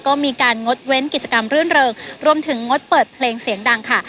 ก็มีการงดเว้นกิจกรรมรื่นเริงรวมถึงงดเปิดเพลงเสียงดังค่ะ